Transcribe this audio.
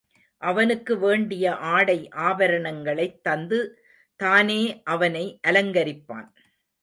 அவனுக்கு வேண்டிய ஆடை ஆபரணங்களைத் தந்து தானே அவனை அலங்கரிப்பான்.